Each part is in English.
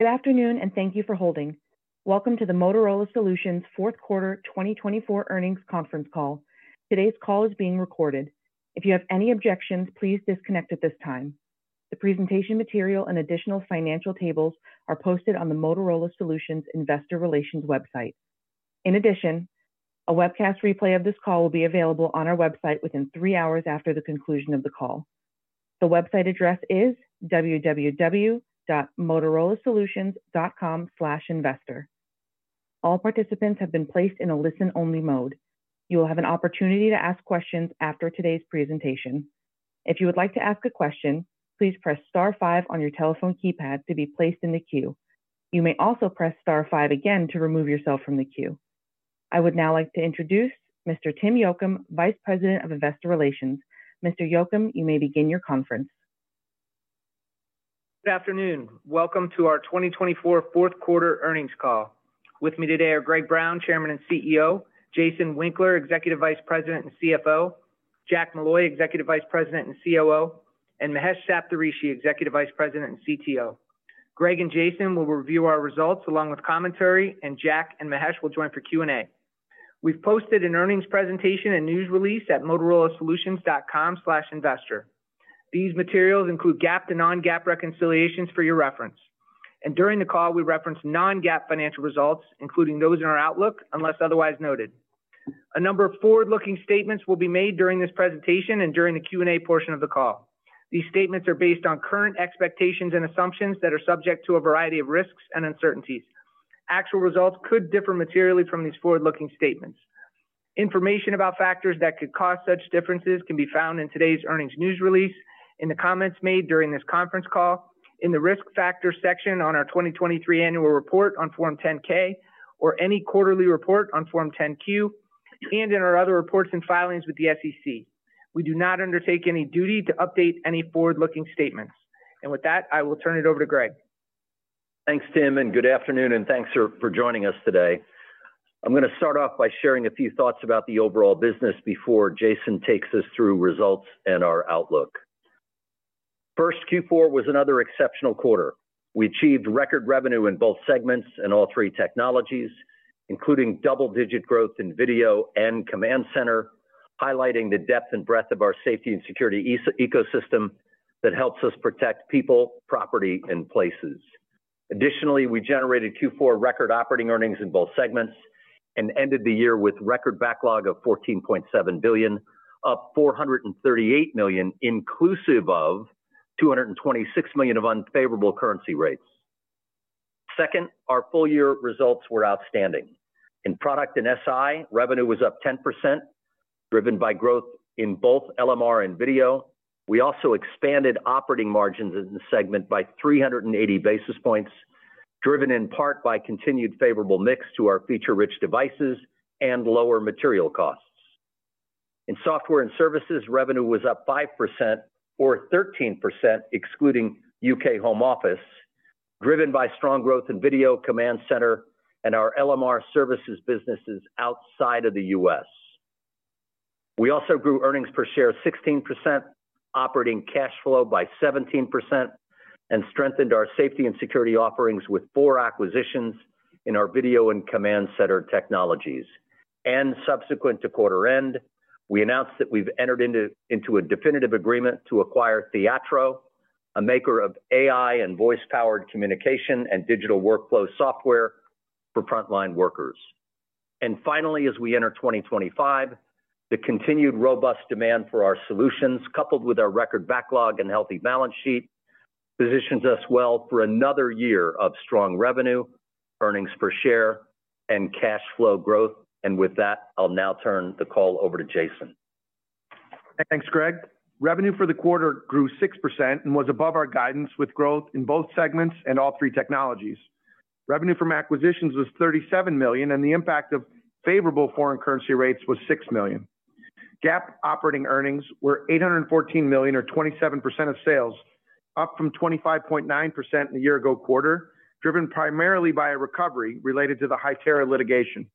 Good afternoon, and thank you for holding. Welcome to the Motorola Solutions Fourth Quarter 2024 earnings conference call. Today's call is being recorded. If you have any objections, please disconnect at this time. The presentation material and additional financial tables are posted on the Motorola Solutions Investor Relations website. In addition, a webcast replay of this call will be available on our website within three hours after the conclusion of the call. The website address is www.motorolasolutions.com/investor. All participants have been placed in a listen-only mode. You will have an opportunity to ask questions after today's presentation. If you would like to ask a question, please press star five on your telephone keypad to be placed in the queue. You may also press star five again to remove yourself from the queue. I would now like to introduce Mr. Tim Yocum, Vice President of Investor Relations. Mr. Yocum, you may begin your conference. Good afternoon. Welcome to our 2024 Fourth Quarter earnings call. With me today are Greg Brown, Chairman and CEO, Jason Winkler, Executive Vice President and CFO, Jack Molloy, Executive Vice President and COO, and Mahesh Saptharishi, Executive Vice President and CTO. Greg and Jason will review our results along with commentary, and Jack and Mahesh will join for Q&A. We've posted an earnings presentation and news release at motorolasolutions.com/investor. These materials include GAAP to non-GAAP reconciliations for your reference, and during the call, we reference non-GAAP financial results, including those in our outlook, unless otherwise noted. A number of forward-looking statements will be made during this presentation and during the Q&A portion of the call. These statements are based on current expectations and assumptions that are subject to a variety of risks and uncertainties. Actual results could differ materially from these forward-looking statements. Information about factors that could cause such differences can be found in today's earnings news release, in the comments made during this conference call, in the risk factor section on our 2023 annual report on Form 10-K, or any quarterly report on Form 10-Q, and in our other reports and filings with the SEC. We do not undertake any duty to update any forward-looking statements, and with that, I will turn it over to Greg. Thanks, Tim, and good afternoon, and thanks for joining us today. I'm going to start off by sharing a few thoughts about the overall business before Jason takes us through results and our outlook. First, Q4 was another exceptional quarter. We achieved record revenue in both segments and all three technologies, including double-digit growth in video and command center, highlighting the depth and breadth of our safety and security ecosystem that helps us protect people, property, and places. Additionally, we generated Q4 record operating earnings in both segments and ended the year with a record backlog of $14.7 billion, up $438 million inclusive of $226 million of unfavorable currency rates. Second, our full-year results were outstanding. In product and SI, revenue was up 10%, driven by growth in both LMR and video. We also expanded operating margins in the segment by 380 basis points, driven in part by continued favorable mix to our feature-rich devices and lower material costs. In software and services, revenue was up 5% or 13%, excluding U.K. Home Office, driven by strong growth in video, command center, and our LMR services businesses outside of the U.S. We also grew earnings per share 16%, operating cash flow by 17%, and strengthened our safety and security offerings with four acquisitions in our video and command center technologies. And subsequent to quarter end, we announced that we've entered into a definitive agreement to acquire Theatro, a maker of AI and voice-powered communication and digital workflow software for frontline workers. Finally, as we enter 2025, the continued robust demand for our solutions, coupled with our record backlog and healthy balance sheet, positions us well for another year of strong revenue, earnings per share, and cash flow growth. With that, I'll now turn the call over to Jason. Thanks, Greg. Revenue for the quarter grew 6% and was above our guidance with growth in both segments and all three technologies. Revenue from acquisitions was $37 million, and the impact of favorable foreign currency rates was $6 million. GAAP operating earnings were $814 million, or 27% of sales, up from 25.9% in the year-ago quarter, driven primarily by a recovery related to the Hytera litigation.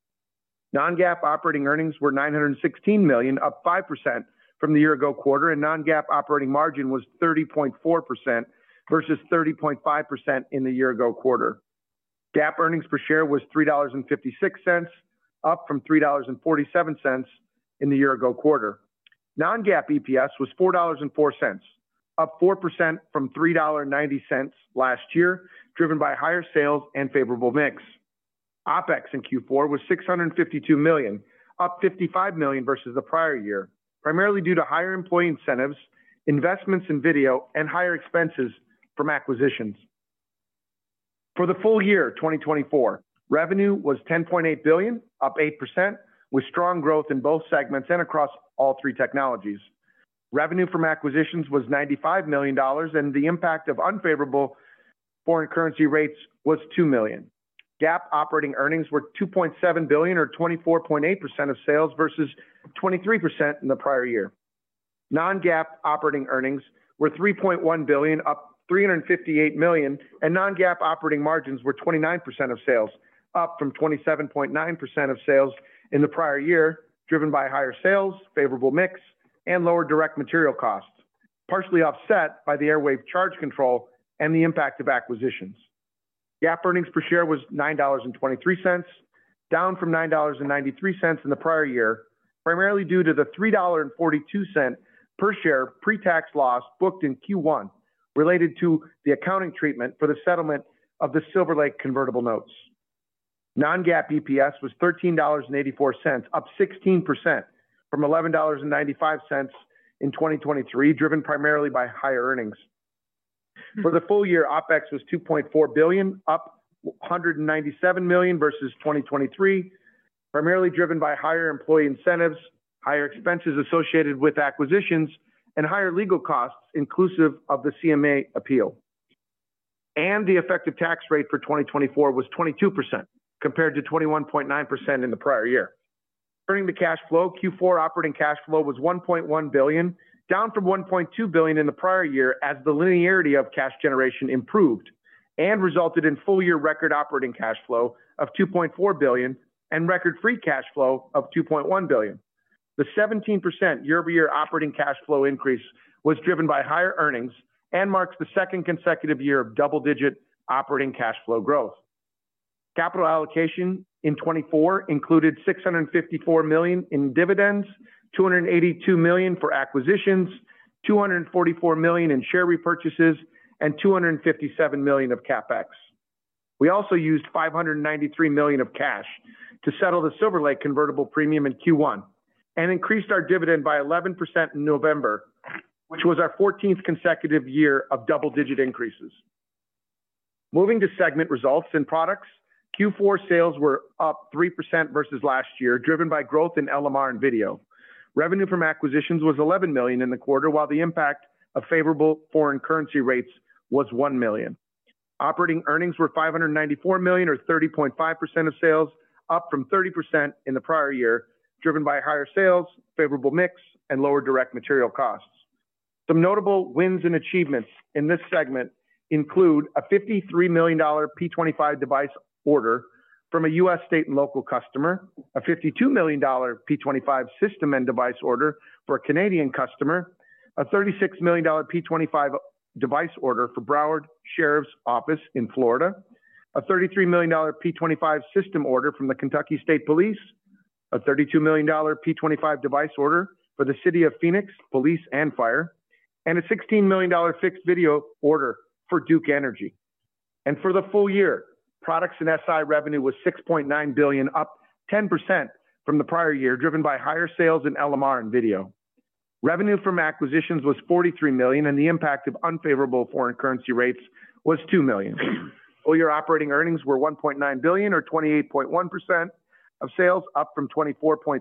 Non-GAAP operating earnings were $916 million, up 5% from the year-ago quarter, and Non-GAAP operating margin was 30.4% versus 30.5% in the year-ago quarter. GAAP earnings per share was $3.56, up from $3.47 in the year-ago quarter. Non-GAAP EPS was $4.04, up 4% from $3.90 last year, driven by higher sales and favorable mix. OPEX in Q4 was $652 million, up $55 million versus the prior year, primarily due to higher employee incentives, investments in video, and higher expenses from acquisitions. For the full year 2024, revenue was $10.8 billion, up 8%, with strong growth in both segments and across all three technologies. Revenue from acquisitions was $95 million, and the impact of unfavorable foreign currency rates was $2 million. GAAP operating earnings were $2.7 billion, or 24.8% of sales, versus 23% in the prior year. Non-GAAP operating earnings were $3.1 billion, up $358 million, and Non-GAAP operating margins were 29% of sales, up from 27.9% of sales in the prior year, driven by higher sales, favorable mix, and lower direct material costs, partially offset by the Airwave charge control and the impact of acquisitions. GAAP earnings per share was $9.23, down from $9.93 in the prior year, primarily due to the $3.42 per share pre-tax loss booked in Q1 related to the accounting treatment for the settlement of the Silver Lake convertible notes. Non-GAAP EPS was $13.84, up 16% from $11.95 in 2023, driven primarily by higher earnings. For the full year, OpEx was $2.4 billion, up $197 million versus 2023, primarily driven by higher employee incentives, higher expenses associated with acquisitions, and higher legal costs inclusive of the CMA appeal. And the effective tax rate for 2024 was 22%, compared to 21.9% in the prior year. Turning to cash flow, Q4 operating cash flow was $1.1 billion, down from $1.2 billion in the prior year as the linearity of cash generation improved and resulted in full-year record operating cash flow of $2.4 billion and record free cash flow of $2.1 billion. The 17% year-over-year operating cash flow increase was driven by higher earnings and marks the second consecutive year of double-digit operating cash flow growth. Capital allocation in 2024 included $654 million in dividends, $282 million for acquisitions, $244 million in share repurchases, and $257 million of CapEx. We also used $593 million of cash to settle the Silver Lake convertible premium in Q1 and increased our dividend by 11% in November, which was our 14th consecutive year of double-digit increases. Moving to segment results and products, Q4 sales were up 3% versus last year, driven by growth in LMR and video. Revenue from acquisitions was $11 million in the quarter, while the impact of favorable foreign currency rates was $1 million. Operating earnings were $594 million, or 30.5% of sales, up from 30% in the prior year, driven by higher sales, favorable mix, and lower direct material costs. Some notable wins and achievements in this segment include a $53 million P25 device order from a U.S. State and local customer, a $52 million P25 system and device order for a Canadian customer, a $36 million P25 device order for Broward Sheriff's Office in Florida, a $33 million P25 system order from the Kentucky State Police, a $32 million P25 device order for the City of Phoenix Police and Fire, and a $16 million fixed video order for Duke Energy. And for the full year, products and SI revenue was $6.9 billion, up 10% from the prior year, driven by higher sales in LMR and video. Revenue from acquisitions was $43 million, and the impact of unfavorable foreign currency rates was $2 million. Full-year operating earnings were $1.9 billion, or 28.1% of sales, up from 24.3%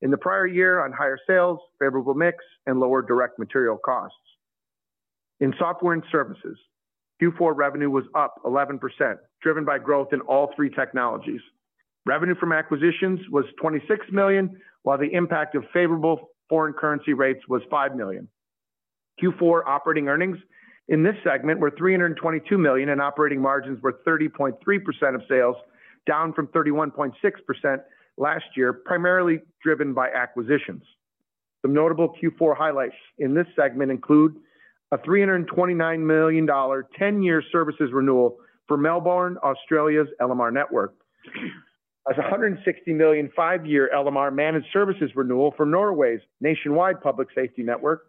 in the prior year on higher sales, favorable mix, and lower direct material costs. In software and services, Q4 revenue was up 11%, driven by growth in all three technologies. Revenue from acquisitions was $26 million, while the impact of favorable foreign currency rates was $5 million. Q4 operating earnings in this segment were $322 million, and operating margins were 30.3% of sales, down from 31.6% last year, primarily driven by acquisitions. Some notable Q4 highlights in this segment include a $329 million 10-year services renewal for Melbourne, Australia's LMR network, a $160 million 5-year LMR managed services renewal for Norway's nationwide public safety network,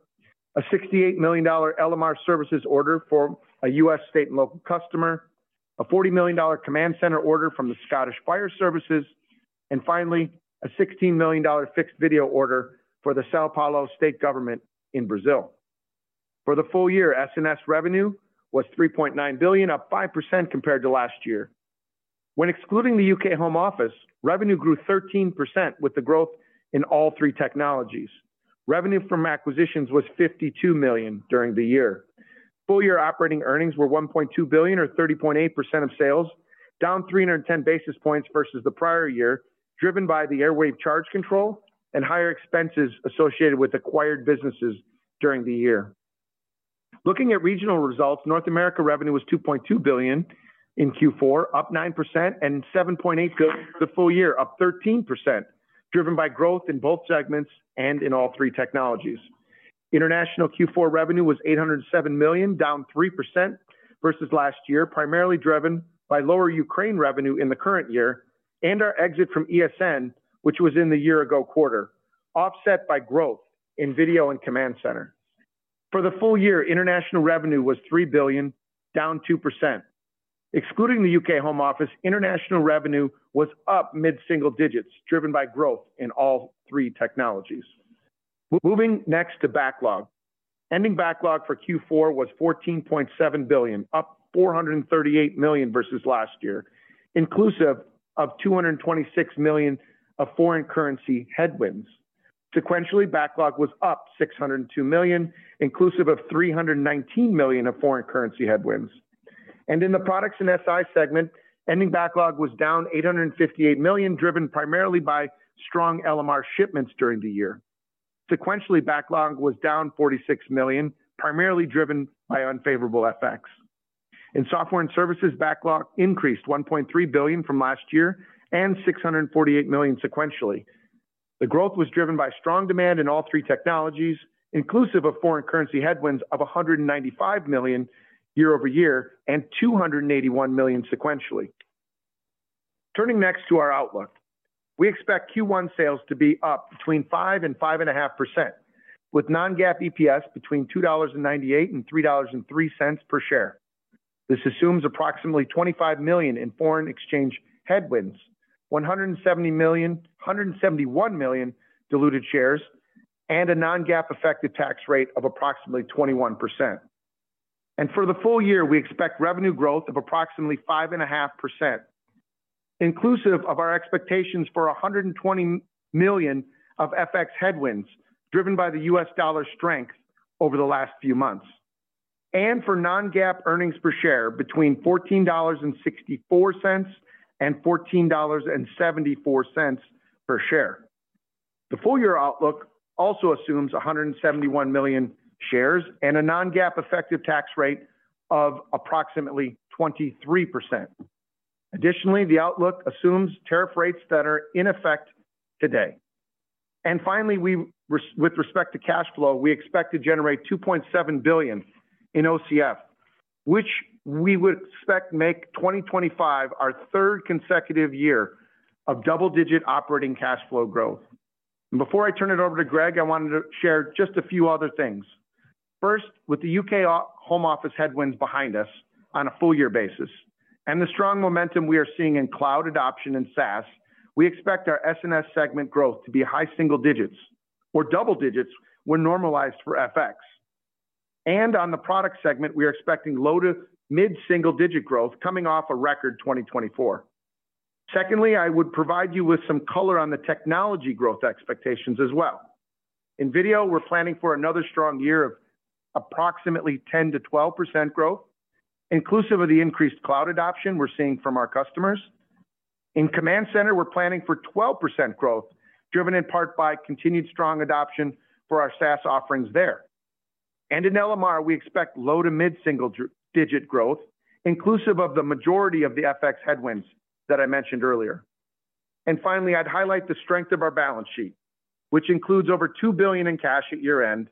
a $68 million LMR services order for a U.S. state and local customer, a $40 million command center order from the Scottish Fire Services, and finally, a $16 million fixed video order for the São Paulo State government in Brazil. For the full year, S&S revenue was $3.9 billion, up 5% compared to last year. When excluding the UK Home Office, revenue grew 13% with the growth in all three technologies. Revenue from acquisitions was $52 million during the year. Full-year operating earnings were $1.2 billion, or 30.8% of sales, down 310 basis points versus the prior year, driven by the Airwave charge control and higher expenses associated with acquired businesses during the year. Looking at regional results, North America revenue was $2.2 billion in Q4, up 9%, and $7.8 billion for the full year, up 13%, driven by growth in both segments and in all three technologies. International Q4 revenue was $807 million, down 3% versus last year, primarily driven by lower Ukraine revenue in the current year and our exit from ESN, which was in the year-ago quarter, offset by growth in video and command center. For the full year, international revenue was $3 billion, down 2%. Excluding the UK Home Office, international revenue was up mid-single digits, driven by growth in all three technologies. Moving next to backlog. Ending backlog for Q4 was $14.7 billion, up $438 million versus last year, inclusive of $226 million of foreign currency headwinds. Sequentially, backlog was up $602 million, inclusive of $319 million of foreign currency headwinds. In the products and SI segment, ending backlog was down $858 million, driven primarily by strong LMR shipments during the year. Sequentially, backlog was down $46 million, primarily driven by unfavorable FX. In software and services, backlog increased $1.3 billion from last year and $648 million sequentially. The growth was driven by strong demand in all three technologies, inclusive of foreign currency headwinds of $195 million year-over-year and $281 million sequentially. Turning next to our outlook, we expect Q1 sales to be up between 5% and 5.5%, with non-GAAP EPS between $2.98 and $3.03 per share. This assumes approximately $25 million in foreign exchange headwinds, 171 million diluted shares, and a non-GAAP effective tax rate of approximately 21%. And for the full year, we expect revenue growth of approximately 5.5%, inclusive of our expectations for $120 million of FX headwinds, driven by the U.S. dollar strength over the last few months. And for non-GAAP earnings per share, between $14.64 and $14.74 per share. The full-year outlook also assumes 171 million shares and a non-GAAP effective tax rate of approximately 23%. Additionally, the outlook assumes tariff rates that are in effect today. And finally, with respect to cash flow, we expect to generate $2.7 billion in OCF, which we would expect to make 2025 our third consecutive year of double-digit operating cash flow growth. Before I turn it over to Greg, I wanted to share just a few other things. First, with the UK Home Office headwinds behind us on a full-year basis and the strong momentum we are seeing in cloud adoption and SaaS, we expect our S&S segment growth to be high single digits or double digits when normalized for FX. And on the product segment, we are expecting low to mid-single digit growth coming off a record 2024. Secondly, I would provide you with some color on the technology growth expectations as well. In video, we're planning for another strong year of approximately 10% to 12% growth, inclusive of the increased cloud adoption we're seeing from our customers. In command center, we're planning for 12% growth, driven in part by continued strong adoption for our SaaS offerings there. And in LMR, we expect low to mid-single digit growth, inclusive of the majority of the FX headwinds that I mentioned earlier. And finally, I'd highlight the strength of our balance sheet, which includes over $2 billion in cash at year-end,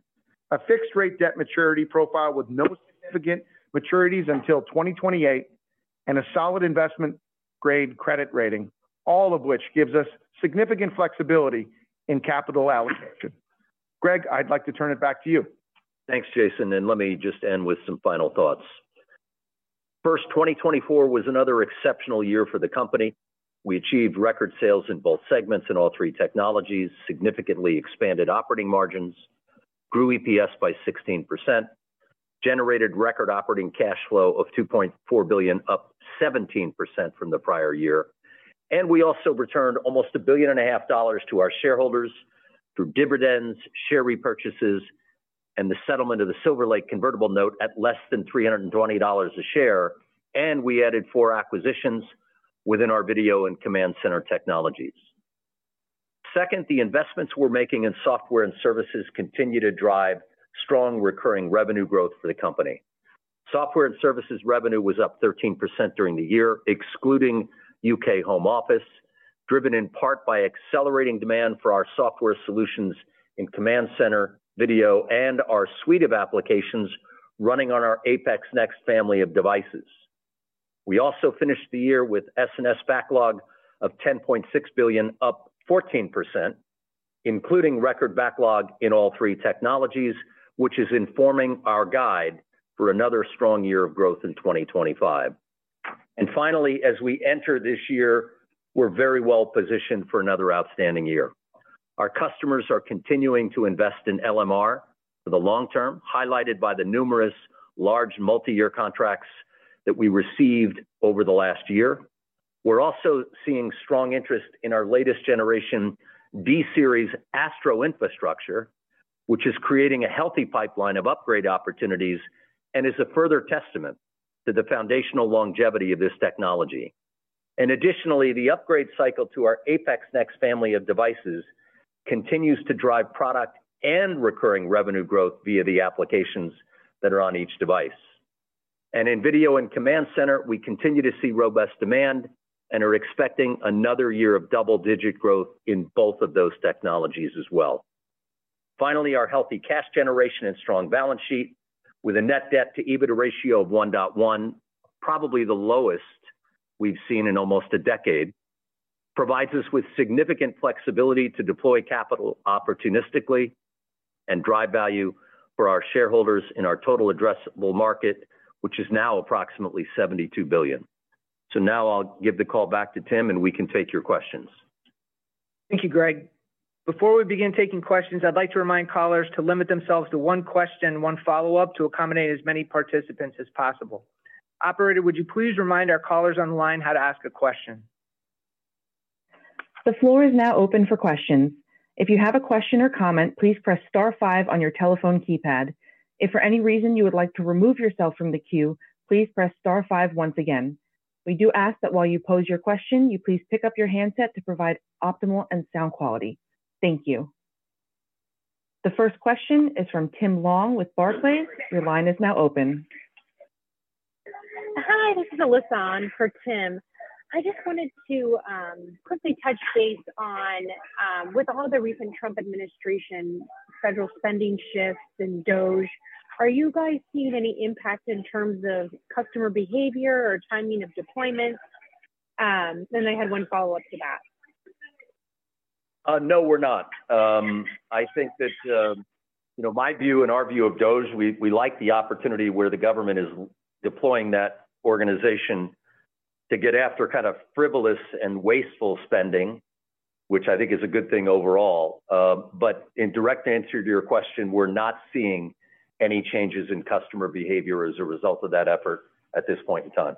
a fixed-rate debt maturity profile with no significant maturities until 2028, and a solid investment-grade credit rating, all of which gives us significant flexibility in capital allocation. Greg, I'd like to turn it back to you. Thanks, Jason. And let me just end with some final thoughts. First, 2024 was another exceptional year for the company. We achieved record sales in both segments in all three technologies, significantly expanded operating margins, grew EPS by 16%, generated record operating cash flow of $2.4 billion, up 17% from the prior year. And we also returned almost $1.5 billion to our shareholders through dividends, share repurchases, and the settlement of the Silver Lake convertible note at less than $320 a share. And we added four acquisitions within our video and command center technologies. Second, the investments we're making in software and services continue to drive strong recurring revenue growth for the company. Software and services revenue was up 13% during the year, excluding UK Home Office, driven in part by accelerating demand for our software solutions in command center, video, and our suite of applications running on our APX NEXT family of devices. We also finished the year with S&S backlog of $10.6 billion, up 14%, including record backlog in all three technologies, which is informing our guide for another strong year of growth in 2025, and finally, as we enter this year, we're very well positioned for another outstanding year. Our customers are continuing to invest in LMR for the long term, highlighted by the numerous large multi-year contracts that we received over the last year. We're also seeing strong interest in our latest generation G-series ASTRO infrastructure, which is creating a healthy pipeline of upgrade opportunities and is a further testament to the foundational longevity of this technology. And additionally, the upgrade cycle to our APX NEXT family of devices continues to drive product and recurring revenue growth via the applications that are on each device. And in video and command center, we continue to see robust demand and are expecting another year of double-digit growth in both of those technologies as well. Finally, our healthy cash generation and strong balance sheet, with a net debt-to-EBIT ratio of 1.1, probably the lowest we've seen in almost a decade, provides us with significant flexibility to deploy capital opportunistically and drive value for our shareholders in our total addressable market, which is now approximately $72 billion. So now I'll give the call back to Tim, and we can take your questions. Thank you, Greg. Before we begin taking questions, I'd like to remind callers to limit themselves to one question, one follow-up, to accommodate as many participants as possible. Operator, would you please remind our callers on the line how to ask a question? The floor is now open for questions. If you have a question or comment, please press Star 5 on your telephone keypad. If for any reason you would like to remove yourself from the queue, please press Star 5 once again. We do ask that while you pose your question, you please pick up your handset to provide optimal sound quality. Thank you. The first question is from Tim Long with Barclays. Your line is now open. Hi, this is Alyssa on for Tim. I just wanted to quickly touch base on, with all the recent Trump administration federal spending shifts in DOGE, are you guys seeing any impact in terms of customer behavior or timing of deployment? Then I had one follow-up to that. No, we're not. I think that my view and our view of DOGE, we like the opportunity where the government is deploying that organization to get after kind of frivolous and wasteful spending, which I think is a good thing overall. But in direct answer to your question, we're not seeing any changes in customer behavior as a result of that effort at this point in time.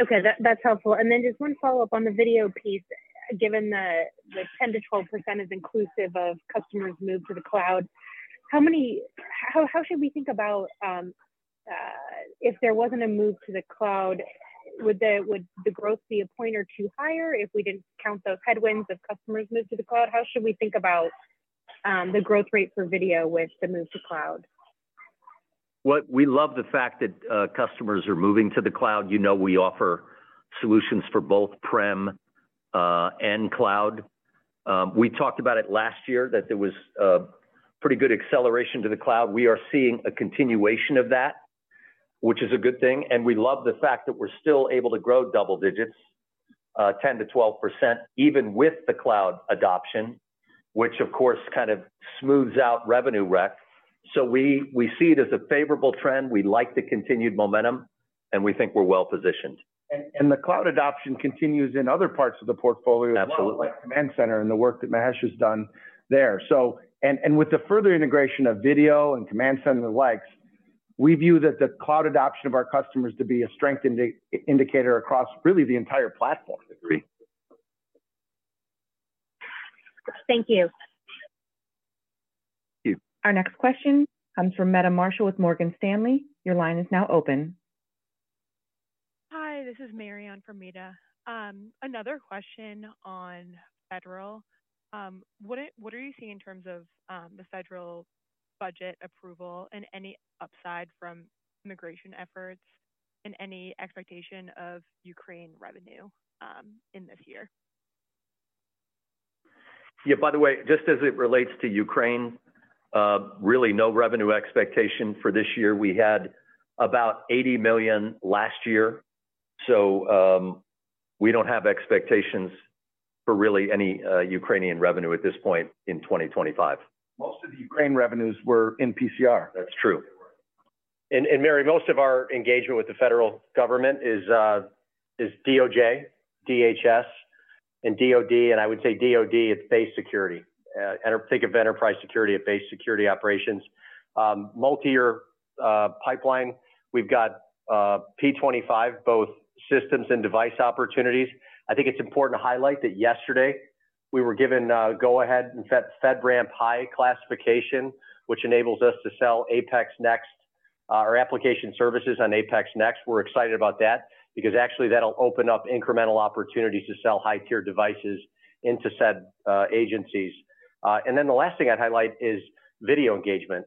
Okay, that's helpful. And then just one follow-up on the video piece, given the 10%-12% is inclusive of customers' move to the cloud, how should we think about if there wasn't a move to the cloud? Would the growth be a point or two higher if we didn't count those headwinds of customers' move to the cloud? How should we think about the growth rate for video with the move to cloud? We love the fact that customers are moving to the cloud. We offer solutions for both Prem and cloud. We talked about it last year, that there was pretty good acceleration to the cloud. We are seeing a continuation of that, which is a good thing, and we love the fact that we're still able to grow double digits, 10%-12%, even with the cloud adoption, which, of course, kind of smooths out revenue rec, so we see it as a favorable trend. We like the continued momentum, and we think we're well positioned. The cloud adoption continues in other parts of the portfolio, like command center and the work that Mahesh has done there. With the further integration of video and command center and the likes, we view that the cloud adoption of our customers to be a strength indicator across really the entire platform. Thank you. Our next question comes from Meta Marshall with Morgan Stanley. Your line is now open. Hi, this is Mary from Meta. Another question on federal. What are you seeing in terms of the federal budget approval and any upside from immigration efforts and any expectation of Ukraine revenue in this year? Yeah, by the way, just as it relates to Ukraine, really no revenue expectation for this year. We had about $80 million last year. So we don't have expectations for really any Ukrainian revenue at this point in 2025. Most of the Ukraine revenues were in PCR. That's true. Marion, most of our engagement with the federal government is DOJ, DHS, and DOD, and I would say DOD, it's base security. Think of enterprise security at base security operations. Multi-year pipeline, we've got P25, both systems and device opportunities. I think it's important to highlight that yesterday we were given a go-ahead and FedRAMP high classification, which enables us to sell APX NEXT, our application services on APX NEXT. We're excited about that because actually that'll open up incremental opportunities to sell high-tier devices into said agencies. Then the last thing I'd highlight is video engagement.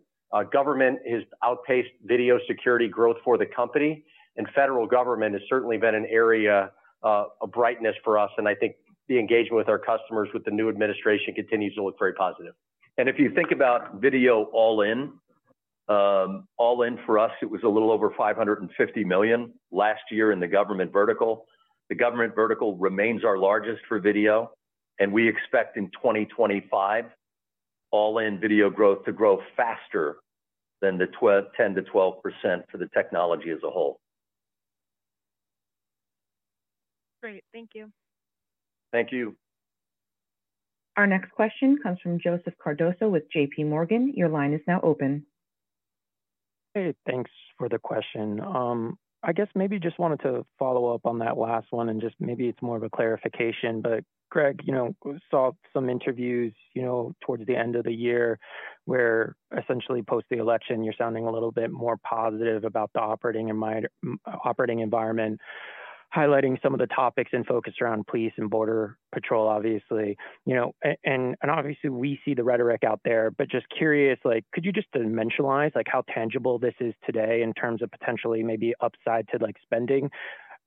Government has outpaced video security growth for the company, and federal government has certainly been an area of brightness for us. I think the engagement with our customers with the new administration continues to look very positive. And if you think about video all-in, all-in for us, it was a little over $550 million last year in the government vertical. The government vertical remains our largest for video, and we expect in 2025, all-in video growth to grow faster than the 10%-12% for the technology as a whole. Great. Thank you. Thank you. Our next question comes from Joseph Cardoso with JP Morgan. Your line is now open. Hey, thanks for the question. I guess maybe just wanted to follow up on that last one and just maybe it's more of a clarification. But Greg, you know, saw some interviews towards the end of the year where essentially post the election, you're sounding a little bit more positive about the operating environment, highlighting some of the topics and focus around police and border patrol, obviously. Obviously, we see the rhetoric out there, but just curious, could you just dimensionalize how tangible this is today in terms of potentially maybe upside to spending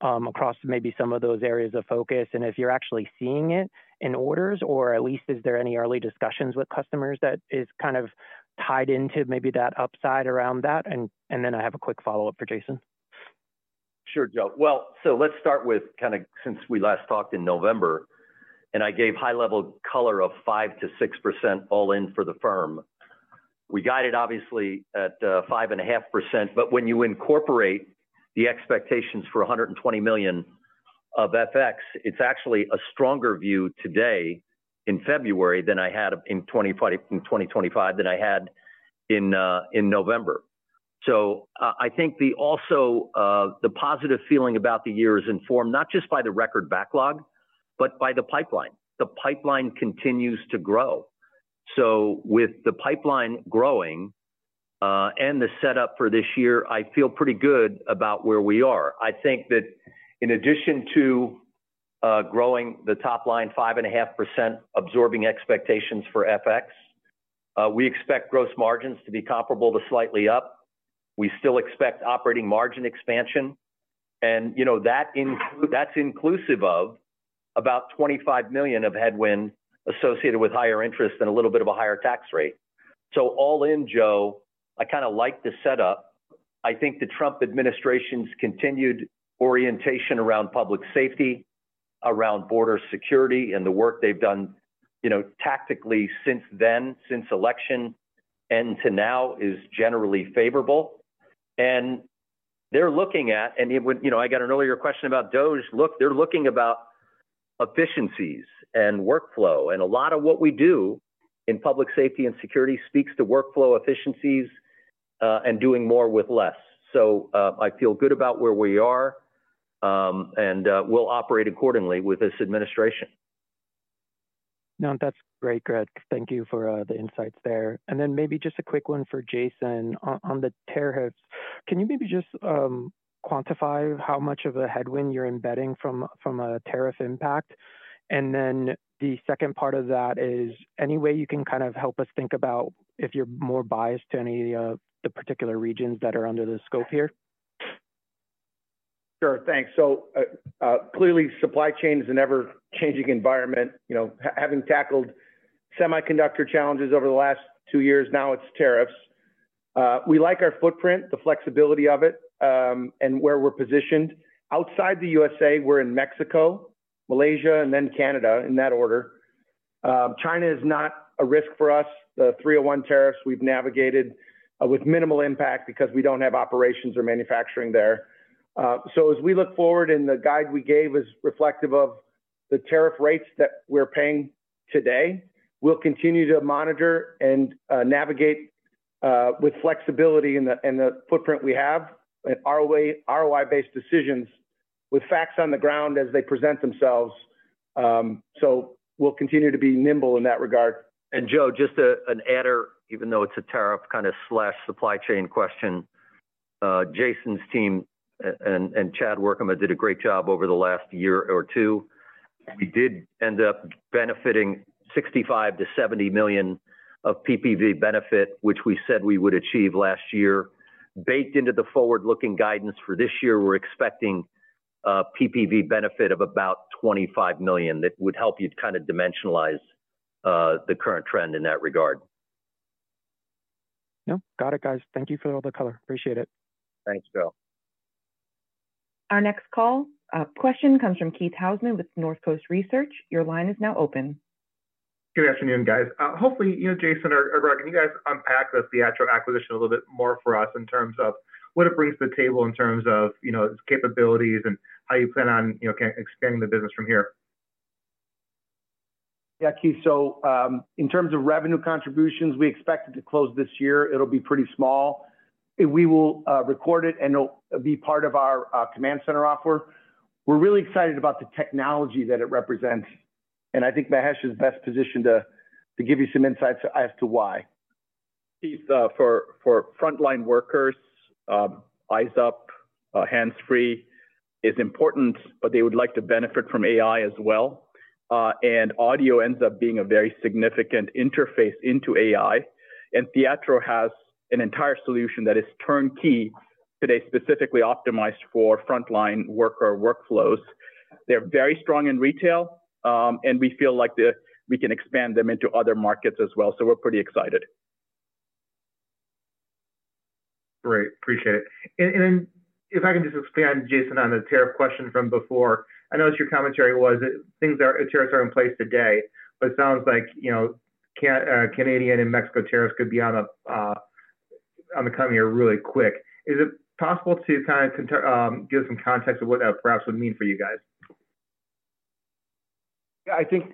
across maybe some of those areas of focus? If you're actually seeing it in orders, or at least is there any early discussions with customers that is kind of tied into maybe that upside around that? Then I have a quick follow-up for Jason. Sure, Joe. So let's start with kind of since we last talked in November, and I gave high-level color of 5%-6% all-in for the firm. We guided obviously at 5.5%, but when you incorporate the expectations for $120 million of FX, it's actually a stronger view today in February than I had in November. So I think also the positive feeling about the year is informed not just by the record backlog, but by the pipeline. The pipeline continues to grow. So with the pipeline growing and the setup for this year, I feel pretty good about where we are. I think that in addition to growing the top line 5.5%, absorbing expectations for FX, we expect gross margins to be comparable to slightly up. We still expect operating margin expansion. And that's inclusive of about $25 million of headwind associated with higher interest and a little bit of a higher tax rate. So all-in, Joe, I kind of like the setup. I think the Trump administration's continued orientation around public safety, around border security, and the work they've done tactically since then, since election and to now is generally favorable. And they're looking at, and I got an earlier question about DOGE. Look, they're looking about efficiencies and workflow. And a lot of what we do in public safety and security speaks to workflow efficiencies and doing more with less. So I feel good about where we are, and we'll operate accordingly with this administration. No, that's great, Greg. Thank you for the insights there. And then maybe just a quick one for Jason on the tariffs. Can you maybe just quantify how much of a headwind you're embedding from a tariff impact? And then the second part of that is any way you can kind of help us think about if you're more biased to any of the particular regions that are under the scope here? Sure, thanks. So clearly, supply chain is an ever-changing environment. Having tackled semiconductor challenges over the last two years, now it's tariffs. We like our footprint, the flexibility of it, and where we're positioned. Outside the USA, we're in Mexico, Malaysia, and then Canada in that order. China is not a risk for us. The 301 tariffs we've navigated with minimal impact because we don't have operations or manufacturing there, so as we look forward, and the guide we gave is reflective of the tariff rates that we're paying today, we'll continue to monitor and navigate with flexibility in the footprint we have and ROI-based decisions with facts on the ground as they present themselves, so we'll continue to be nimble in that regard, and Joe, just an adder, even though it's a tariff kind of slash supply chain question, Jason's team and Chad Werkema did a great job over the last year or two. We did end up benefiting $65 million-$70 million of PPV benefit, which we said we would achieve last year. Baked into the forward-looking guidance for this year, we're expecting PPV benefit of about $25 million that would help you kind of dimensionalize the current trend in that regard. Yeah, got it, guys. Thank you for all the color. Appreciate it. Thanks, Joe. Our next call question comes from Keith Housum with North Coast Research. Your line is now open. Good afternoon, guys. Hopefully, Jason or Greg, can you guys unpack the actual acquisition a little bit more for us in terms of what it brings to the table in terms of its capabilities and how you plan on expanding the business from here? Yeah, Keith, so in terms of revenue contributions, we expect it to close this year. It'll be pretty small. We will record it, and it'll be part of our command center offer. We're really excited about the technology that it represents. And I think Mahesh is best positioned to give you some insights as to why. Keith, for frontline workers, eyes up, hands free is important, but they would like to benefit from AI as well. And audio ends up being a very significant interface into AI. And Theatro has an entire solution that is turnkey today, specifically optimized for frontline worker workflows. They're very strong in retail, and we feel like we can expand them into other markets as well. So we're pretty excited. Great. Appreciate it. And then if I can just expand, Jason, on the tariff question from before, I noticed your commentary was that tariffs are in place today, but it sounds like Canadian and Mexico tariffs could be on the coming here really quick. Is it possible to kind of give some context of what that perhaps would mean for you guys? Yeah, I think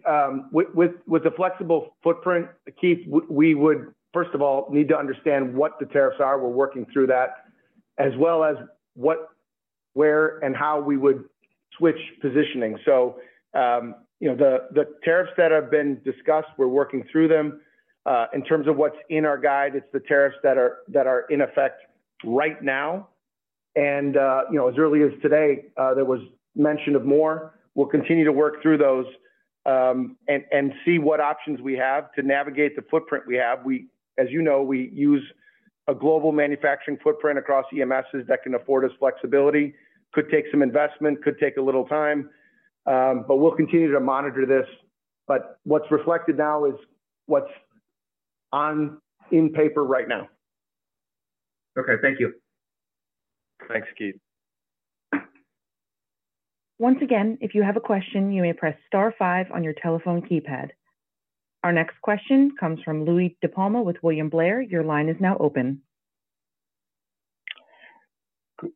with a flexible footprint, Keith, we would, first of all, need to understand what the tariffs are. We're working through that, as well as what, where, and how we would switch positioning, so the tariffs that have been discussed, we're working through them. In terms of what's in our guide, it's the tariffs that are in effect right now, and as early as today, there was mention of more. We'll continue to work through those and see what options we have to navigate the footprint we have. As you know, we use a global manufacturing footprint across EMSs that can afford us flexibility. Could take some investment, could take a little time, but we'll continue to monitor this, but what's reflected now is what's on paper right now. Okay, thank you. Thanks, Keith. Once again, if you have a question, you may press star five on your telephone keypad. Our next question comes from Louie DiPalma with William Blair. Your line is now open.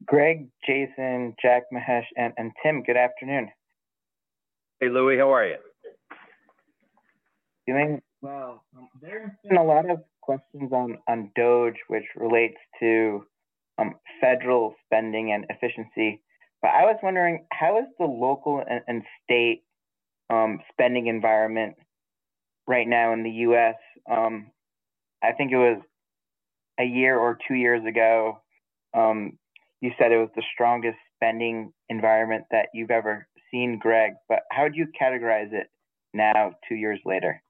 Greg, Jason, Jack, Mahesh, and Tim, good afternoon. Hey, Louie, how are you? Doing well. There have been a lot of questions on DOGE, which relates to federal spending and efficiency. But I was wondering, how is the local and state spending environment right now in the U.S.? I think it was a year or two years ago, you said it was the strongest spending environment that you've ever seen, Greg. But how do you categorize it now, two years later?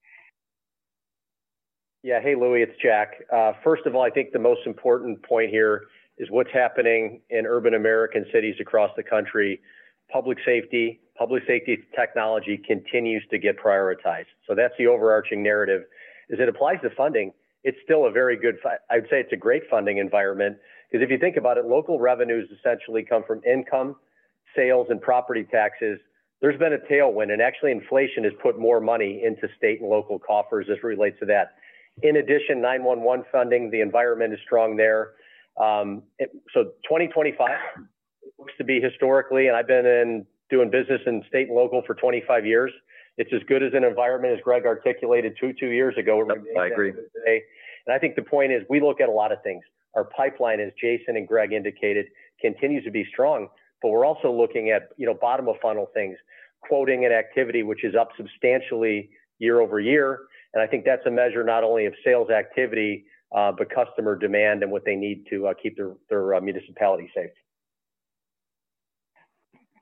Yeah, hey, Louie, it's Jack. First of all, I think the most important point here is what's happening in urban American cities across the country. Public safety, public safety technology continues to get prioritized. So that's the overarching narrative. As it applies to funding, it's still a very good, I would say it's a great funding environment. Because if you think about it, local revenues essentially come from income, sales, and property taxes. There's been a tailwind, and actually inflation has put more money into state and local coffers as it relates to that. In addition, 911 funding, the environment is strong there. So 2025 looks to be historically, and I've been doing business in state and local for 25 years. It's as good as an environment, as Greg articulated two years ago. I agree. And I think the point is we look at a lot of things. Our pipeline, as Jason and Greg indicated, continues to be strong, but we're also looking at bottom-of-funnel things, quoting an activity which is up substantially year over year. I think that's a measure not only of sales activity, but customer demand and what they need to keep their municipality safe.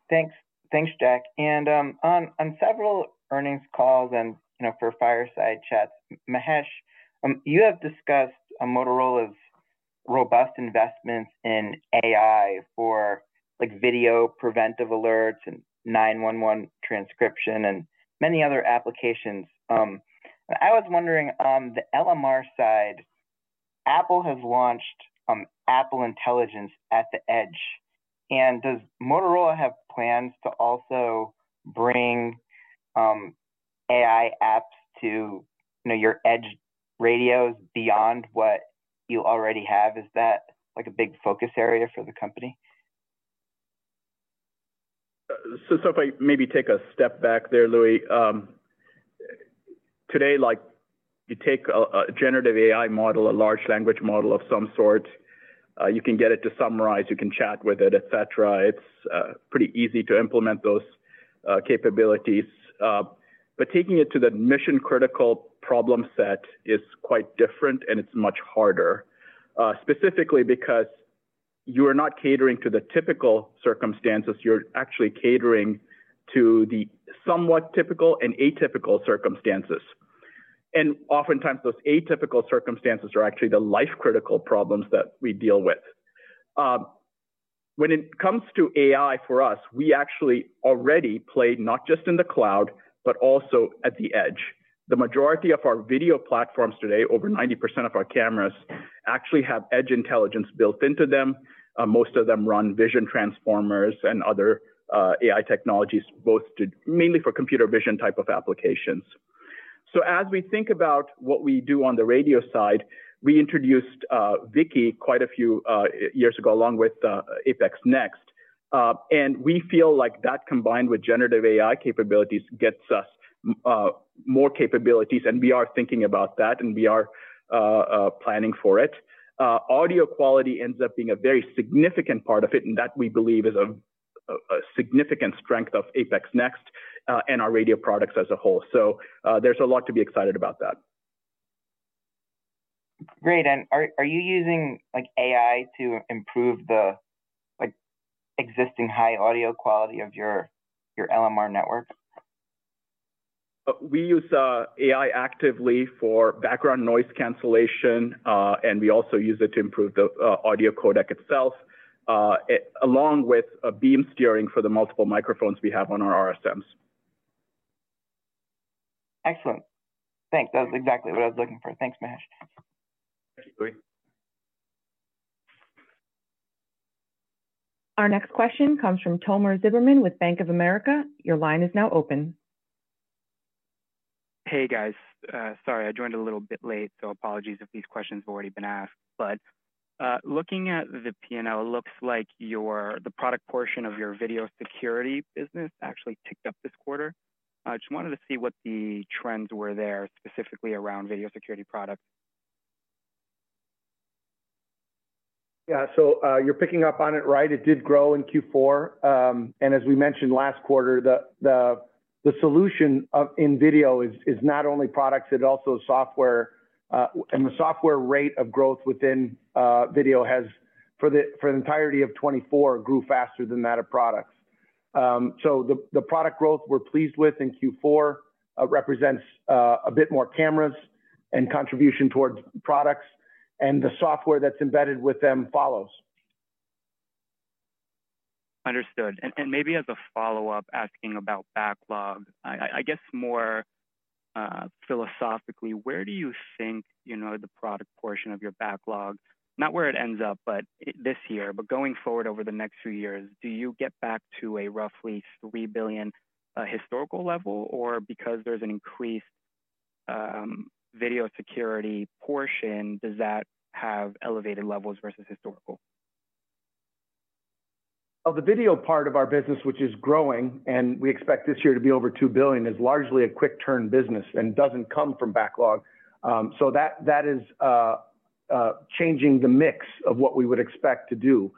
Thanks, Jack. On several earnings calls and for Fireside Chats, Mahesh, you have discussed Motorola's robust investments in AI for video preventive alerts and 911 transcription and many other applications. I was wondering on the LMR side, Apple has launched Apple Intelligence at the Edge. Does Motorola have plans to also bring AI apps to your Edge radios beyond what you already have? Is that a big focus area for the company? If I maybe take a step back there, Louis, today, you take a generative AI model, a large language model of some sort, you can get it to summarize, you can chat with it, etc. It's pretty easy to implement those capabilities. But taking it to the mission-critical problem set is quite different, and it's much harder, specifically because you are not catering to the typical circumstances. You're actually catering to the somewhat typical and atypical circumstances. And oftentimes, those atypical circumstances are actually the life-critical problems that we deal with. When it comes to AI for us, we actually already play not just in the cloud, but also at the Edge. The majority of our video platforms today, over 90% of our cameras, actually have Edge Intelligence built into them. Most of them run Vision Transformers and other AI technologies, both mainly for computer vision type of applications. So as we think about what we do on the radio side, we introduced ViQi quite a few years ago along with APX NEXT. We feel like that combined with generative AI capabilities gets us more capabilities, and we are thinking about that, and we are planning for it. Audio quality ends up being a very significant part of it, and that we believe is a significant strength of APX NEXT and our radio products as a whole. So there's a lot to be excited about that. Great. And are you using AI to improve the existing high audio quality of your LMR network? We use AI actively for background noise cancellation, and we also use it to improve the audio codec itself, along with beam steering for the multiple microphones we have on our RSMs. Excellent. Thanks. That was exactly what I was looking for. Thanks, Mahesh. Thank you, Louie. Our next question comes from Tomer Zilberman with Bank of America. Your line is now open. Hey, guys. Sorry, I joined a little bit late, so apologies if these questions have already been asked. But looking at the P&L, it looks like the product portion of your video security business actually ticked up this quarter. Just wanted to see what the trends were there, specifically around video security products. Yeah, so you're picking up on it, right? It did grow in Q4. And as we mentioned last quarter, the solution in video is not only products, it also is software. And the software rate of growth within video has for the entirety of 2024 grew faster than that of products. So the product growth we're pleased with in Q4 represents a bit more cameras and contribution towards products, and the software that's embedded with them follows. Understood. Maybe as a follow-up, asking about backlog, I guess more philosophically, where do you think the product portion of your backlog, not where it ends up this year, but going forward over the next few years, do you get back to a roughly $3 billion historical level? Or because there's an increased video security portion, does that have elevated levels versus historical? The video part of our business, which is growing, and we expect this year to be over $2 billion, is largely a quick turn business and doesn't come from backlog. That is changing the mix of what we would expect to do.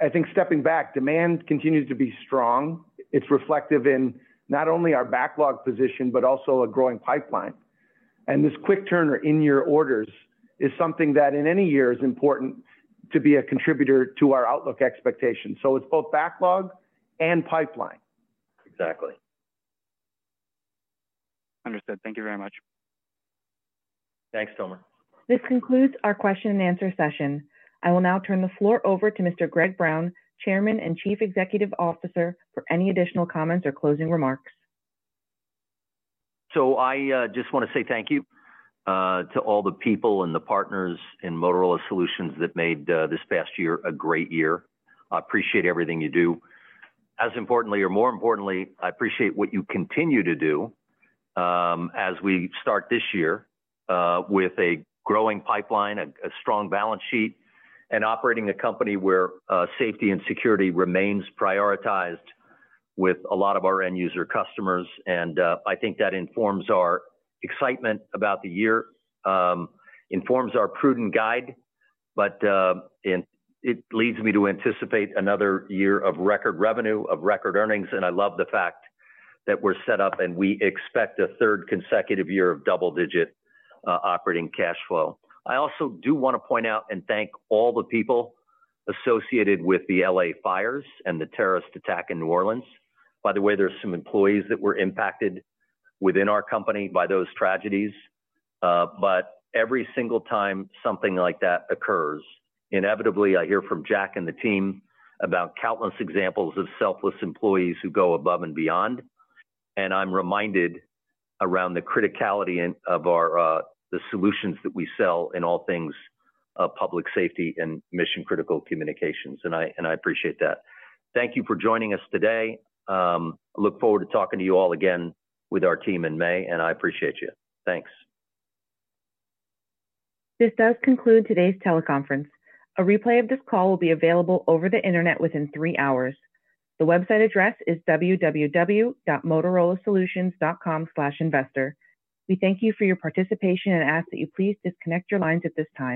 I think stepping back, demand continues to be strong. It's reflective in not only our backlog position, but also a growing pipeline. And this quick turn in your orders is something that in any year is important to be a contributor to our outlook expectations. So it's both backlog and pipeline. Exactly. Understood. Thank you very much. Thanks, Tomer. This concludes our question and answer session. I will now turn the floor over to Mr. Greg Brown, Chairman and Chief Executive Officer, for any additional comments or closing remarks. So I just want to say thank you to all the people and the partners in Motorola Solutions that made this past year a great year. I appreciate everything you do. As importantly, or more importantly, I appreciate what you continue to do as we start this year with a growing pipeline, a strong balance sheet, and operating a company where safety and security remains prioritized with a lot of our end user customers. And I think that informs our excitement about the year, informs our prudent guide, but it leads me to anticipate another year of record revenue, of record earnings. And I love the fact that we're set up and we expect a third consecutive year of double-digit operating cash flow. I also do want to point out and thank all the people associated with the LA fires and the terrorist attack in New Orleans. By the way, there are some employees that were impacted within our company by those tragedies. But every single time something like that occurs, inevitably, I hear from Jack and the team about countless examples of selfless employees who go above and beyond. And I'm reminded of the criticality of the solutions that we sell in all things public safety and mission-critical communications. And I appreciate that. Thank you for joining us today. I look forward to talking to you all again with our team in May, and I appreciate you. Thanks. This does conclude today's teleconference. A replay of this call will be available over the internet within three hours. The website address is www.motorolasolutions.com/investor. We thank you for your participation and ask that you please disconnect your lines at this time.